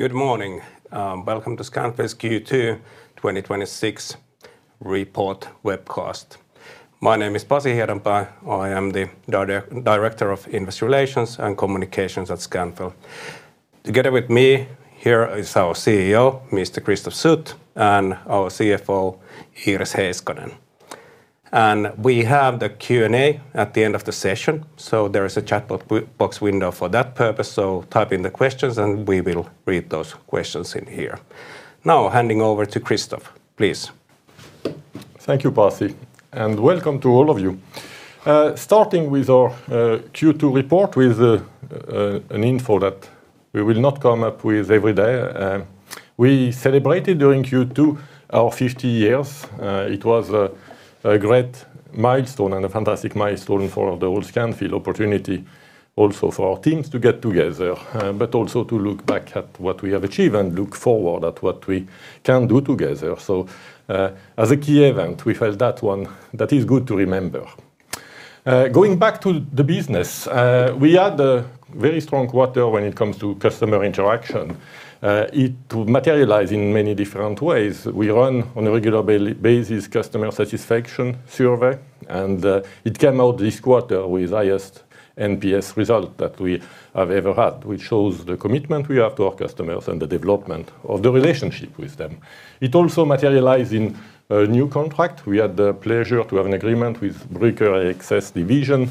Good morning. Welcome to Scanfil's Q2 2026 report webcast. My name is Pasi Hiedanpää. I am the Director of Investor Relations and Communications at Scanfil. Together with me here is our CEO, Christophe Sut, and our CFO, Iiris Heiskanen. We have the Q&A at the end of the session, there is a chatbot box window for that purpose. Type in the questions, and we will read those questions in here. Handing over to Christophe, please. Thank you, Pasi, and welcome to all of you. Starting with our Q2 report with an info that we will not come up with every day. We celebrated during Q2 our 50 years. It was a great milestone and a fantastic milestone for the whole Scanfil opportunity also for our teams to get together, but also to look back at what we have achieved and look forward at what we can do together. As a key event, we felt that one, that is good to remember. Going back to the business. We had a very strong quarter when it comes to customer interaction. It materialize in many different ways. We run on a regular basis customer satisfaction survey, it came out this quarter with highest NPS result that we have ever had, which shows the commitment we have to our customers and the development of the relationship with them. It also materialize in a new contract. We had the pleasure to have an agreement with [Bruker AXS Division]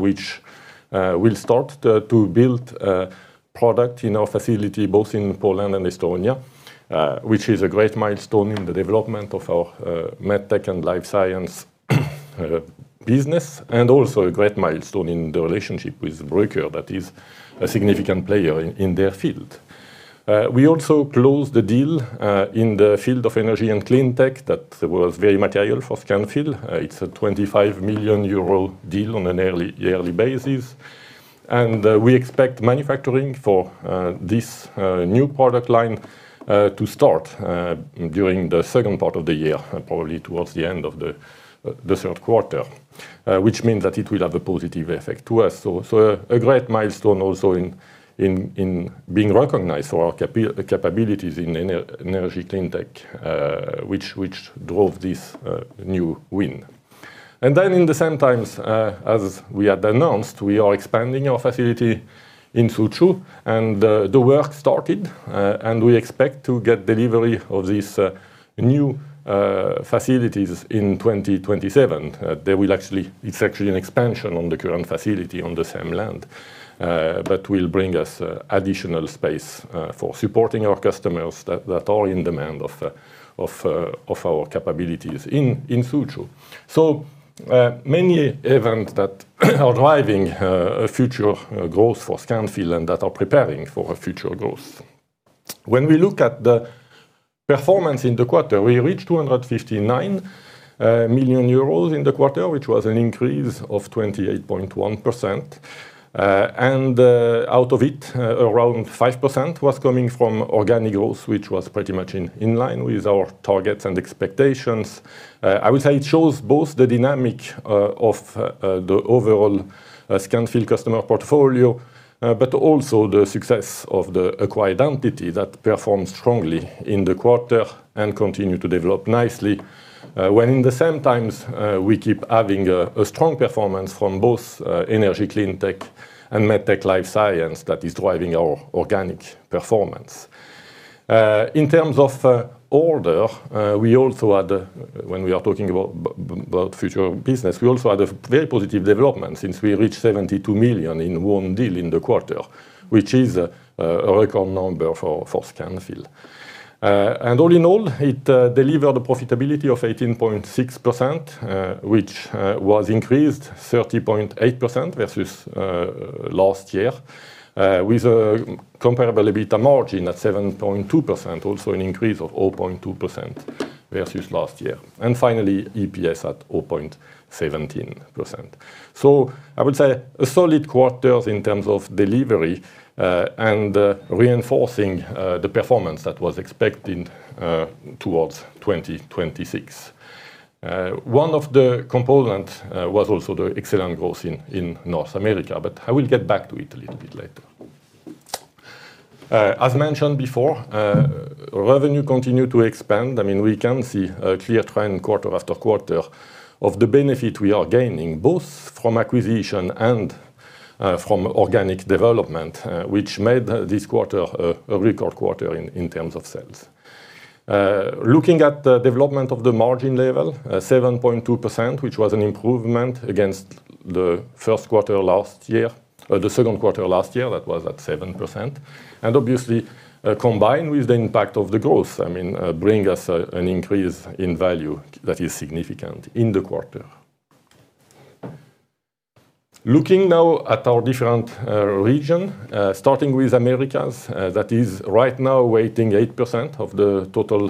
which will start to build a product in our facility both in Poland and Estonia, which is a great milestone in the development of our Medtech & Life Science business, and also a great milestone in the relationship with Bruker that is a significant player in their field. We also closed the deal in the field of Energy & Cleantech that was very material for Scanfil. It's a 25 million euro deal on an yearly basis. We expect manufacturing for this new product line to start during the second part of the year, probably towards the end of the third quarter, which means that it will have a positive effect to us. A great milestone also in being recognized for our capabilities in Energy & Cleantech, which drove this new win. In the same times, as we had announced, we are expanding our facility in Suzhou and the work started, and we expect to get delivery of these new facilities in 2027. It's actually an expansion on the current facility on the same land, but will bring us additional space for supporting our customers that are in demand of our capabilities in Suzhou. Many events that are driving future growth for Scanfil and that are preparing for future growth. When we look at the performance in the quarter, we reached 259 million euros in the quarter, which was an increase of 28.1%. Out of it, around 5% was coming from organic growth, which was pretty much in line with our targets and expectations. I would say it shows both the dynamic of the overall Scanfil customer portfolio, but also the success of the acquired entity that performed strongly in the quarter and continue to develop nicely. In the same time, we keep having a strong performance from both Energy & Cleantech and Medtech & Life Science that is driving our organic performance. In terms of order, when we are talking about future business, we also had a very positive development since we reached 72 million in won deal in the quarter, which is a record number for Scanfil. All in all, it delivered a profitability of 18.6%, which was increased 30.8% versus last year, with a comparable EBITA margin at 7.2%, also an increase of 0.2% versus last year. Finally, EPS at 0.17. I would say a solid quarter in terms of delivery, and reinforcing the performance that was expected towards 2026. One of the component was also the excellent growth in North America, but I will get back to it a little bit later. As mentioned before, revenue continued to expand. We can see a clear trend quarter-after-quarter of the benefit we are gaining, both from acquisition and from organic development, which made this quarter a record quarter in terms of sales. Looking at the development of the margin level, 7.2%, which was an improvement against the first quarter last year, or the second quarter last year, that was at 7%. Obviously, combined with the impact of the growth, bring us an increase in value that is significant in the quarter. Looking now at our different region, starting with Americas, that is right now weighing 8% of the total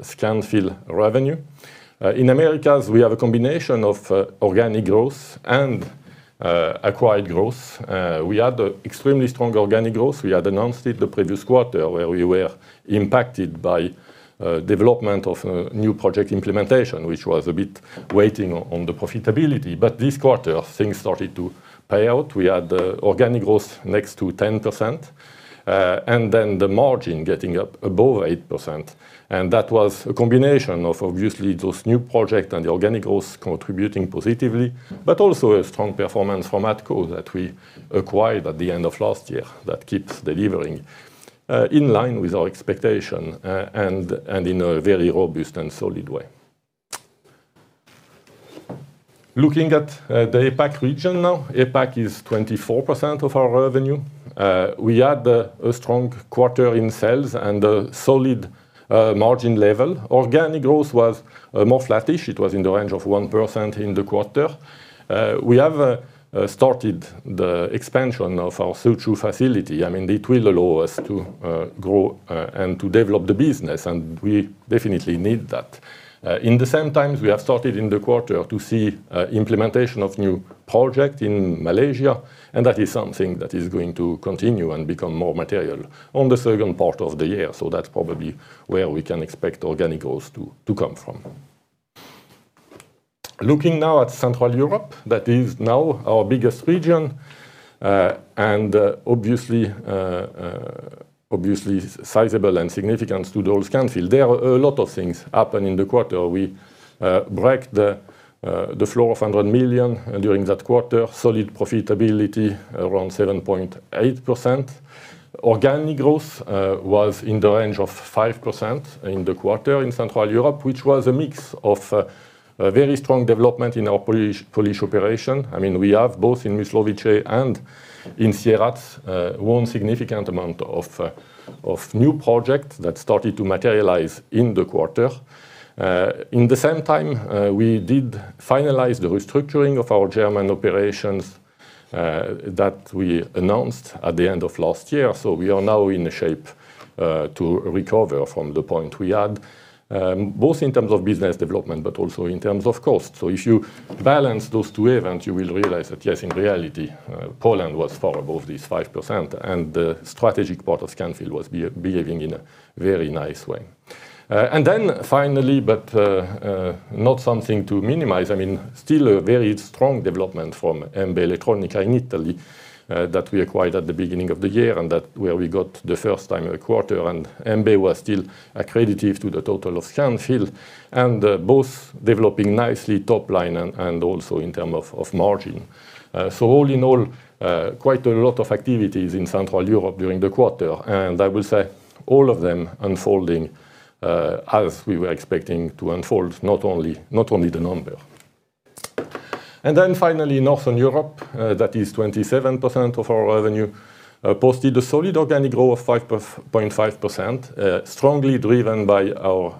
Scanfil revenue. In Americas, we have a combination of organic growth and acquired growth. We had extremely strong organic growth. We had announced it the previous quarter, where we were impacted by development of new project implementation, which was a bit waiting on the profitability. This quarter, things started to pay out. We had organic growth next to 10%, and then the margin getting up above 8%. That was a combination of obviously those new project and the organic growth contributing positively, but also a strong performance from ADCO Circuits that we acquired at the end of last year that keeps delivering in line with our expectation and in a very robust and solid way. Looking at the APAC region now. APAC is 24% of our revenue. We had a strong quarter in sales and a solid margin level. Organic growth was more flattish. It was in the range of 1% in the quarter. We have started the expansion of our Suzhou facility. It will allow us to grow and to develop the business, and we definitely need that. In the same time, we have started in the quarter to see implementation of new project in Malaysia, and that is something that is going to continue and become more material on the second part of the year. That's probably where we can expect organic growth to come from. Looking now at Central Europe, that is now our biggest region, and obviously sizable and significant to the whole Scanfil. There are a lot of things happened in the quarter. We broke the flow of 100 million during that quarter. Solid profitability around 7.8%. Organic growth was in the range of 5% in the quarter in Central Europe, which was a mix of a very strong development in our Polish operation. We have both in Mysłowice and in Sieradz, a significant amount of new projects that started to materialize in the quarter. At the same time, we did finalize the restructuring of our German operations that we announced at the end of last year. We are now in shape to recover from the point we had, both in terms of business development but also in terms of cost. If you balance those two events, you will realize that, yes, in reality, Poland was far above this 5%, and the strategic part of Scanfil was behaving in a very nice way. Finally, but not something to minimize, still a very strong development from MB Elettronica in Italy, that we acquired at the beginning of the year and that where we got the first time in the quarter. MB was still accretive to the total of Scanfil and both developing nicely top line and also in terms of margin. All in all, quite a lot of activities in Central Europe during the quarter, and I will say all of them unfolding as we were expecting to unfold, not only the number. Finally, Northern Europe, that is 27% of our revenue, posted a solid organic growth of 5.5%, strongly driven by our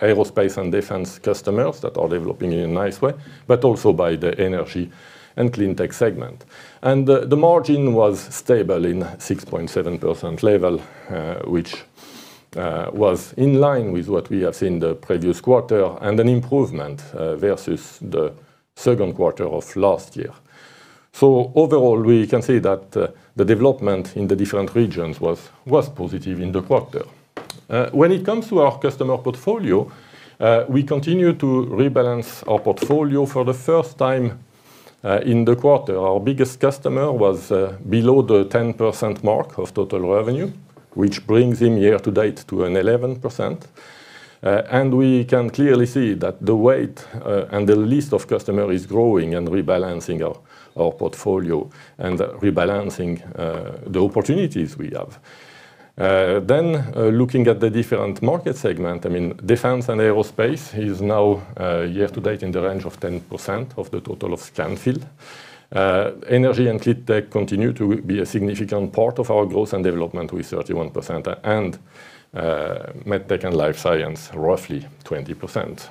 Aerospace & Defense customers that are developing in a nice way, but also by the Energy & Cleantech segment. The margin was stable in 6.7% level, which was in line with what we have seen the previous quarter and an improvement versus the second quarter of last year. Overall, we can say that the development in the different regions was positive in the quarter. When it comes to our customer portfolio, we continue to rebalance our portfolio for the first time in the quarter. Our biggest customer was below the 10% mark of total revenue, which brings him year-to-date to an 11%. We can clearly see that the weight and the list of customers is growing and rebalancing our portfolio and rebalancing the opportunities we have. Looking at the different market segment, Aerospace & Defense is now year-to-date in the range of 10% of the total of Scanfil. Energy & Cleantech continue to be a significant part of our growth and development with 31%, and Medtech & Life Science roughly 20%.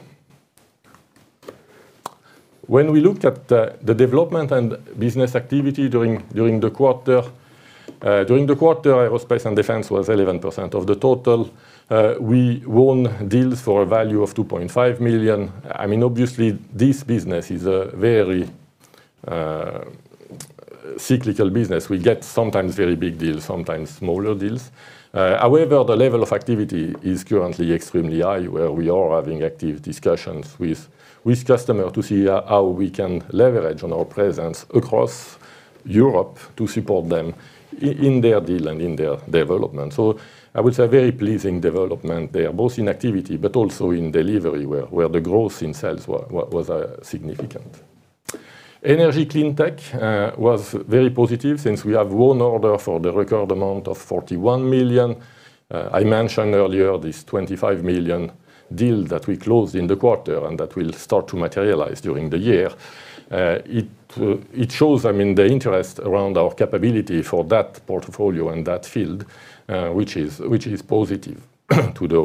When we look at the development and business activity during the quarter, Aerospace & Defense was 11% of the total. We won deals for a value of 2.5 million. Obviously, this business is a very cyclical business. We get sometimes very big deals, sometimes smaller deals. However, the level of activity is currently extremely high, where we are having active discussions with customer to see how we can leverage on our presence across Europe to support them in their deal and in their development. I would say very pleasing development there, both in activity but also in delivery, where the growth in sales was significant. Energy & Cleantech was very positive since we have won order for the record amount of 41 million. I mentioned earlier this 25 million deal that we closed in the quarter and that will start to materialize during the year. It shows the interest around our capability for that portfolio and that field, which is positive to the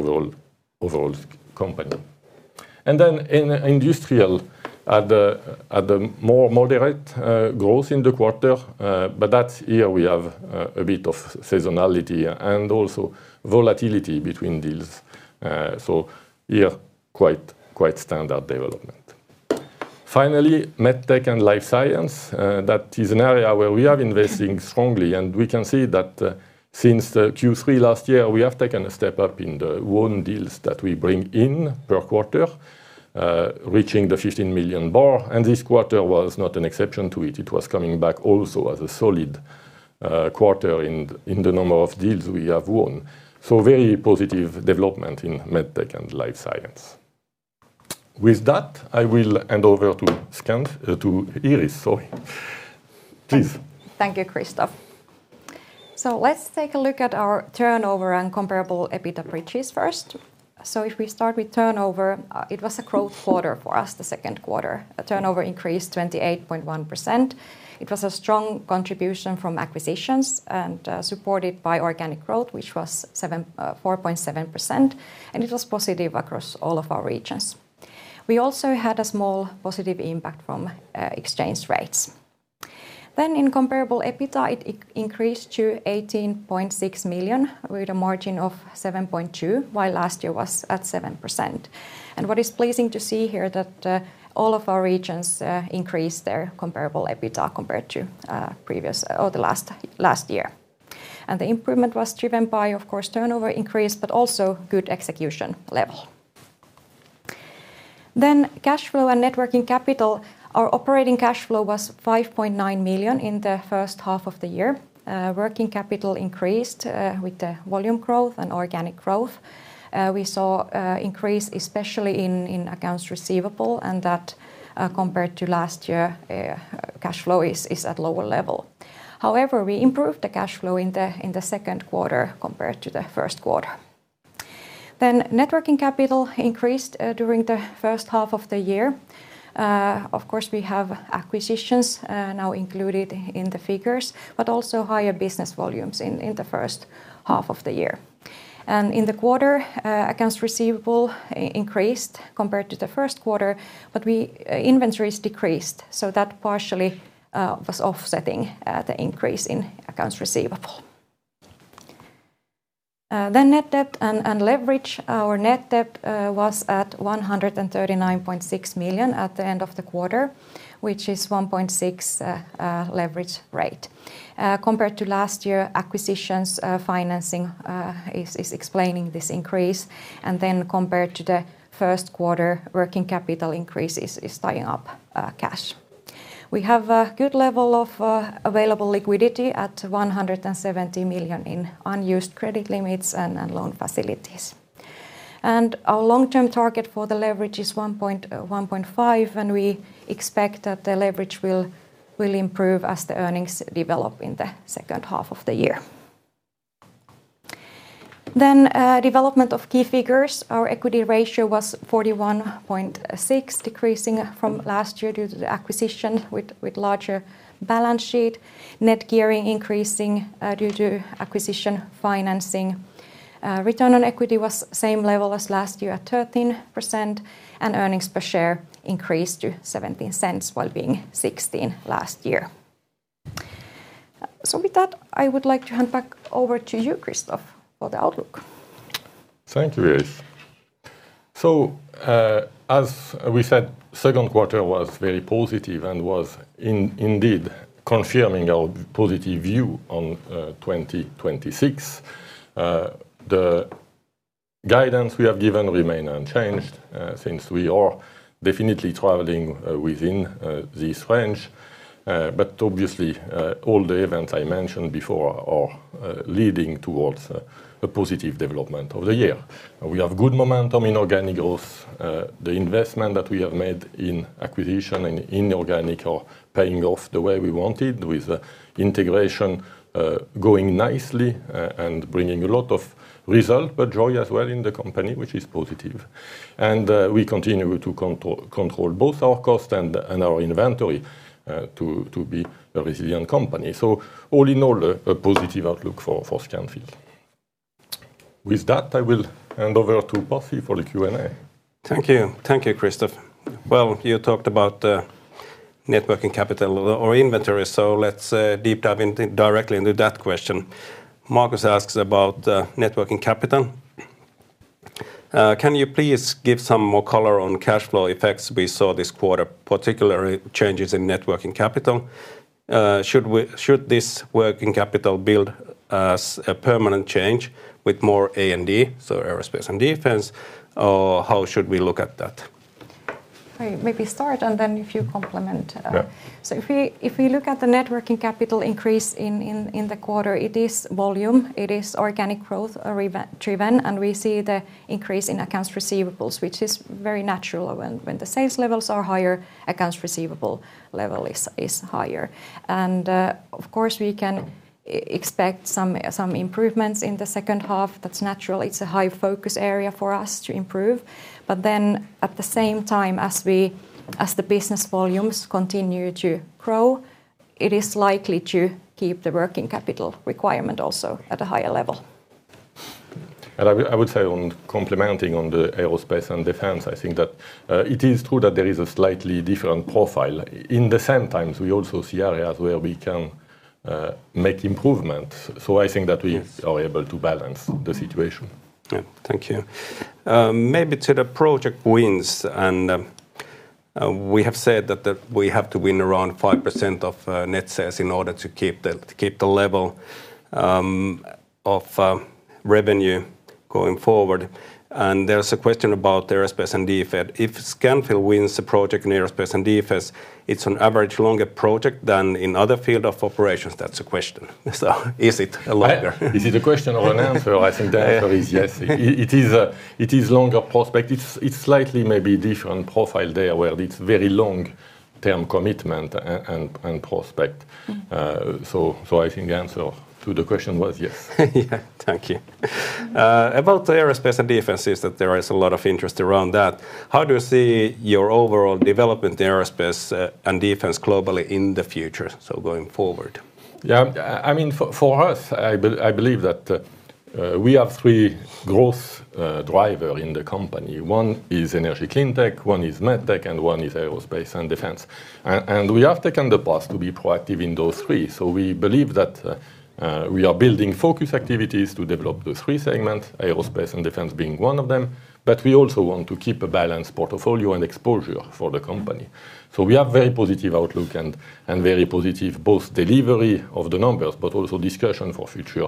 overall company. In Industrial, at the more moderate growth in the quarter. That year we have a bit of seasonality and also volatility between deals. Here quite standard development. Finally, Medtech & Life Science. That is an area where we are investing strongly, and we can see that since the Q3 last year, we have taken a step up in the won deals that we bring in per quarter, reaching the 15 million bar, and this quarter was not an exception to it. It was coming back also as a solid quarter in the number of deals we have won. Very positive development in Medtech & Life Science. With that, I will hand over to Iiris. Please. Thank you, Christophe. Let's take a look at our turnover and comparable EBITA bridges first. If we start with turnover, it was a growth quarter for us, the second quarter, turnover increased 28.1%. It was a strong contribution from acquisitions and supported by organic growth, which was 4.7%, and it was positive across all of our regions. We also had a small positive impact from exchange rates. In comparable EBITA, it increased to 18.6 million with a margin of 7.2%, while last year was at 7%. What is pleasing to see here that all of our regions increased their comparable EBITA compared to previous or the last year. The improvement was driven by, of course, turnover increase, but also good execution level. Cash flow and net working capital. Our operating cash flow was 5.9 million in the first half of the year. Working capital increased with the volume growth and organic growth. We saw increase especially in accounts receivable, and that compared to last year, cash flow is at lower level. However, we improved the cash flow in the second quarter compared to the first quarter. Net working capital increased during the first half of the year. Of course, we have acquisitions now included in the figures, but also higher business volumes in the first half of the year. In the quarter, accounts receivable increased compared to the first quarter, but inventories decreased, so that partially was offsetting the increase in accounts receivable. Net debt and leverage. Our net debt was at 139.6 million at the end of the quarter, which is 1.6x leverage rate. Compared to last year, acquisitions financing is explaining this increase, and compared to the first quarter, working capital increase is tying up cash. We have a good level of available liquidity at 170 million in unused credit limits and loan facilities. Our long-term target for the leverage is 1.5x, and we expect that the leverage will improve as the earnings develop in the second half of the year. Development of key figures. Our equity ratio was 41.6%, decreasing from last year due to the acquisition with larger balance sheet. Net gearing increasing due to acquisition financing. Return on equity was same level as last year at 13%, and earnings per share increased to 0.17 while being 0.16 last year. With that, I would like to hand back over to you, Christophe, for the outlook. Thank you, Iiris. As we said, second quarter was very positive and was indeed confirming our positive view on 2026. The guidance we have given remain unchanged, since we are definitely traveling within this range. Obviously, all the events I mentioned before are leading towards a positive development of the year. We have good momentum in organic growth. The investment that we have made in acquisition and inorganic are paying off the way we wanted, with integration going nicely and bringing a lot of result, but joy as well in the company, which is positive. We continue to control both our cost and our inventory to be a resilient company. All in all, a positive outlook for Scanfil. With that, I will hand over to Pasi for the Q&A. Thank you, Christophe. You talked about net working capital or inventory, let's deep dive directly into that question. Marcus asks about net working capital. "Can you please give some more color on cash flow effects we saw this quarter, particularly changes in net working capital? Should this working capital build as a permanent change with more A&D," Aerospace & Defense, "or how should we look at that? I maybe start, and then if you complement. Yeah. If we look at the net working capital increase in the quarter, it is volume. It is organic growth driven. We see the increase in accounts receivables, which is very natural. When the sales levels are higher, accounts receivable level is higher. Of course, we can expect some improvements in the second half. That's natural. It's a high focus area for us to improve. At the same time, as the business volumes continue to grow, it is likely to keep the working capital requirement also at a higher level. I would say on complementing on the Aerospace & Defense, I think that it is true that there is a slightly different profile. In the same times, we also see areas where we can make improvements. I think that we are able to balance the situation. Thank you. Maybe to the project wins. We have said that we have to win around 5% of net sales in order to keep the level of revenue going forward. There's a question about Aerospace & Defense. If Scanfil wins the project in Aerospace & Defense, it's on average a longer project than in other field of operations. That's the question. Is it longer? Is it a question or an answer? I think the answer is yes. It is a longer prospect. It's slightly maybe different profile there, where it's very long-term commitment and prospect. I think the answer to the question was yes. Yeah. Thank you. About the Aerospace & Defense is that there is a lot of interest around that. How do you see your overall development in Aerospace & Defense globally in the future, going forward? Yeah, for us, I believe that we have three growth driver in the company. One is Energy & Cleantech, one is Medtech, and one is Aerospace & Defense. We have taken the path to be proactive in those three. We believe that we are building focus activities to develop those three segments, Aerospace & Defense being one of them, but we also want to keep a balanced portfolio and exposure for the company. We have very positive outlook and very positive both delivery of the numbers, but also discussion for future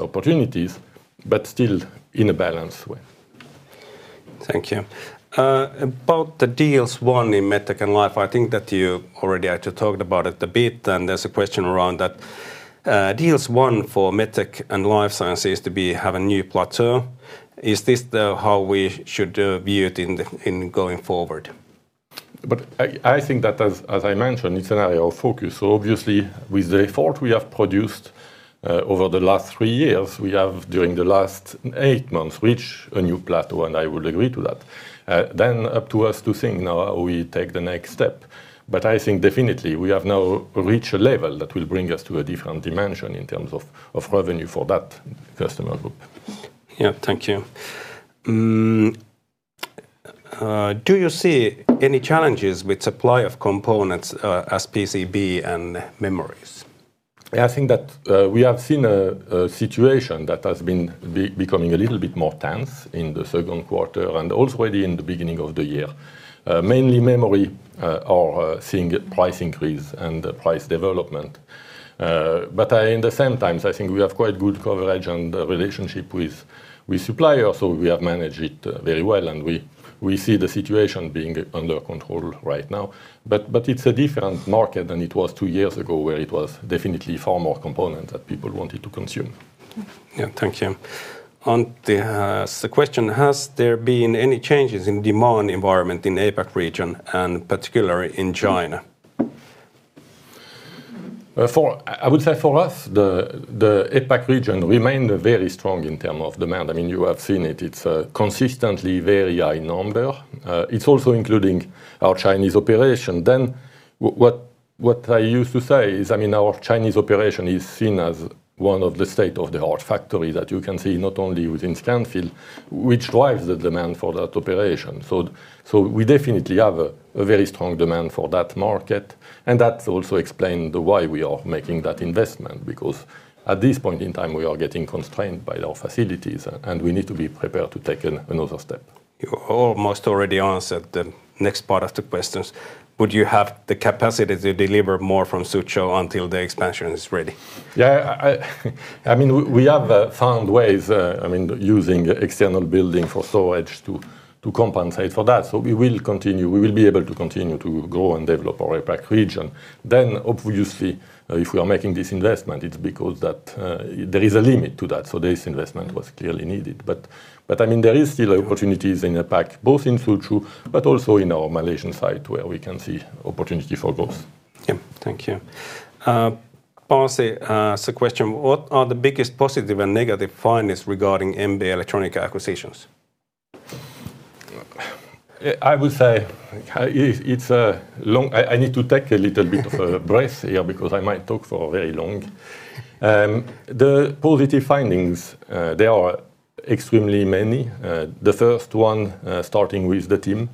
opportunities, but still in a balanced way. Thank you. About the deals won in Medtech & Life Science, I think that you already actually talked about it a bit, and there's a question around that. Deals won for Medtech & Life Sciences to have a new plateau. Is this how we should view it in going forward? I think that, as I mentioned, it's an area of focus. Obviously with the effort we have produced over the last three years, we have, during the last eight months, reached a new plateau, and I would agree to that. Up to us to think now how we take the next step. I think definitely we have now reached a level that will bring us to a different dimension in terms of revenue for that customer group. Yeah. Thank you. Do you see any challenges with supply of components as PCB and memories? I think that we have seen a situation that has been becoming a little bit more tense in the second quarter and already in the beginning of the year. Mainly memory are seeing price increase and price development. At the same time, I think we have quite good coverage and relationship with supplier, so we have managed it very well, and we see the situation being under control right now. It's a different market than it was two years ago, where it was definitely far more component that people wanted to consume. Yeah. Thank you. The question, has there been any changes in demand environment in APAC region, and particularly in China? I would say for us, the APAC region remained very strong in term of demand. You have seen it. It's consistently very high number. It's also including our Chinese operation. What I used to say is our Chinese operation is seen as one of the state-of-the-art factory that you can see, not only within Scanfil, which drives the demand for that operation. We definitely have a very strong demand for that market, and that also explain why we are making that investment because at this point in time, we are getting constrained by our facilities, and we need to be prepared to take another step. You almost already answered the next part of the questions. Would you have the capacity to deliver more from Suzhou until the expansion is ready? Yeah. We have found ways, using external building for storage to compensate for that. We will be able to continue to grow and develop our APAC region. Obviously, if we are making this investment, it's because there is a limit to that, this investment was clearly needed. There is still opportunities in APAC, both in Suzhou but also in our Malaysian site where we can see opportunity for growth. Yeah. Thank you. Pasi, ask the question, what are the biggest positive and negative findings regarding MB Elettronica acquisitions? I need to take a little bit of a breath here because I might talk for very long. The positive findings, they are extremely many. The first one, starting with the team.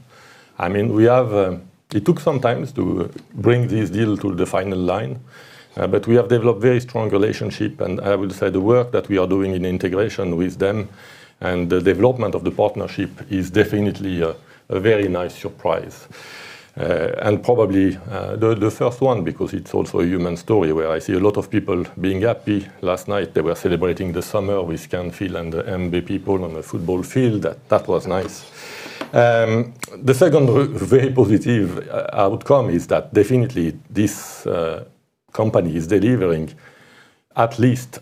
It took some time to bring this deal to the final line, we have developed very strong relationship, I would say the work that we are doing in integration with them and the development of the partnership is definitely a very nice surprise. Probably the first one because it's also a human story where I see a lot of people being happy. Last night, they were celebrating the summer with Scanfil and the MB people on the football field. That was nice. The second very positive outcome is that definitely this company is delivering at least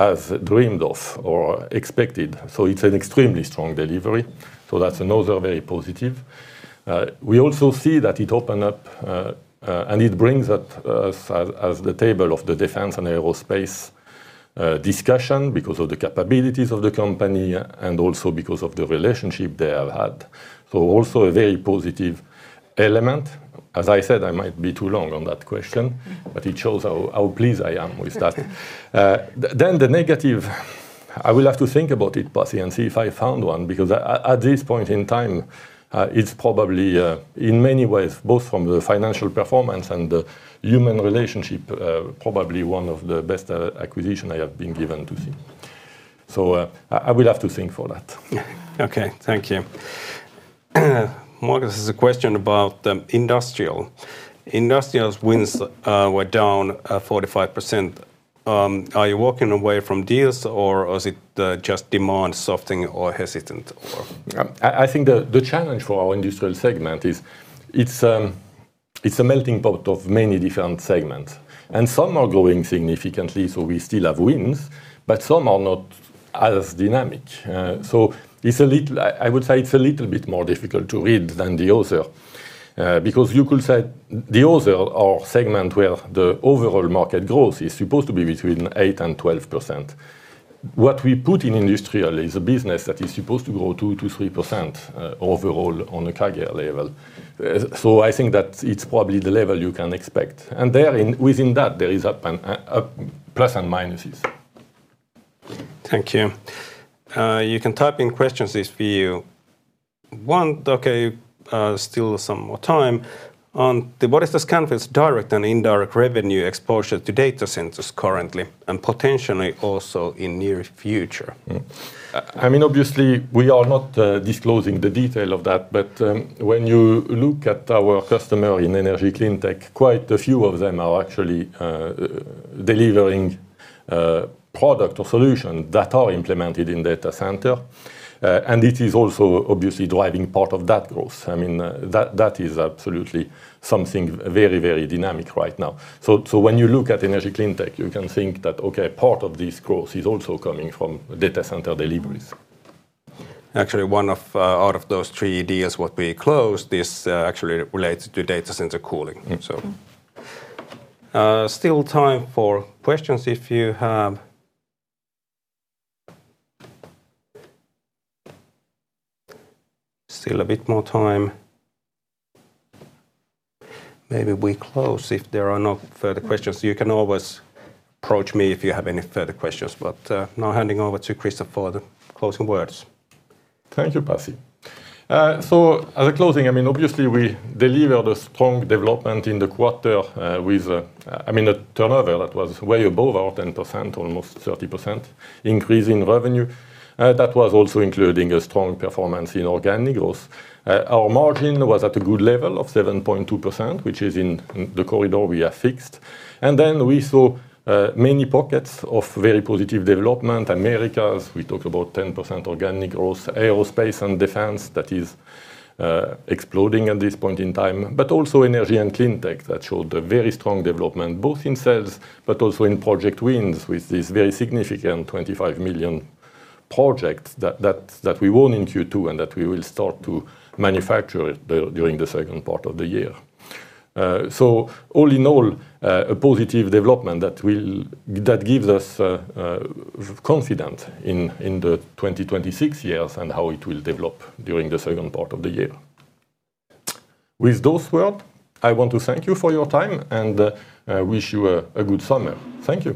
as dreamed of or expected. It's an extremely strong delivery. That's another very positive. We also see that it open up and it brings us as the table of the Defense and Aerospace discussion because of the capabilities of the company and also because of the relationship they have had. Also a very positive element. As I said, I might be too long on that question, but it shows how pleased I am with that. The negative, I will have to think about it, Pasi, and see if I found one because at this point in time, it's probably in many ways, both from the financial performance and the human relationship, probably one of the best acquisition I have been given to see. I will have to think for that. Okay. Thank you. Marcus has a question about industrial. Industrials wins were down 45%. Are you walking away from deals, or is it just demand softening or hesitant or? I think the challenge for our industrial segment is it's a melting pot of many different segments, and some are growing significantly, we still have wins, but some are not as dynamic. I would say it's a little bit more difficult to read than the other. You could say the other segment where the overall market growth is supposed to be between 8% and 12%. What we put in industrial is a business that is supposed to grow 2%-3% overall on a CAGR level. I think that it's probably the level you can expect. Within that, there is plus and minuses. Thank you. You can type in questions if you want. Okay, still some more time. What is Scanfil's direct and indirect revenue exposure to data centers currently and potentially also in near future? Obviously, we are not disclosing the detail of that. When you look at our customer in Energy & Cleantech, quite a few of them are actually delivering product or solution that are implemented in data center. It is also obviously driving part of that growth. That is absolutely something very dynamic right now. When you look at Energy & Cleantech, you can think that, okay, part of this growth is also coming from data center deliveries. Actually, one out of those three deals what we closed, this actually relates to data center cooling. Still time for questions if you have. Still a bit more time. Maybe we close if there are no further questions. You can always approach me if you have any further questions, but now handing over to Christophe for the closing words. Thank you, Pasi. As a closing, obviously, we delivered a strong development in the quarter with a turnover that was way above our 10%, almost 30% increase in revenue. That was also including a strong performance in organic growth. Our margin was at a good level of 7.2%, which is in the corridor we have fixed. We saw many pockets of very positive development. Americas, we talked about 10% organic growth. Aerospace & Defense, that is exploding at this point in time, but also Energy & Cleantech, that showed a very strong development, both in sales but also in project wins with this very significant 25 million project that we won in Q2 and that we will start to manufacture during the second part of the year. All in all, a positive development that gives us confidence in the 2026 years and how it will develop during the second part of the year. With those words, I want to thank you for your time and wish you a good summer. Thank you.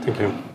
Thank you. Thank you.